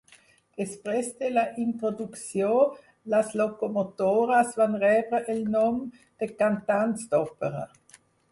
Després de la introducció, les locomotores van rebre el nom de cantants d'òpera.